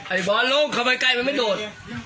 ไอ้บอลลงทำไมใกล้มันไม่โดด